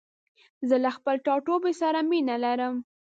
زه له خپل ټاټوبي سره مينه لرم.